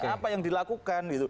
apa yang dilakukan